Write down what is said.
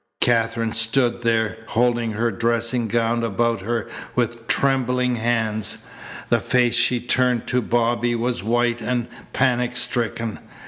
Katherine stood there, holding her dressing gown about her with trembling hands. The face she turned to Bobby was white and panic stricken.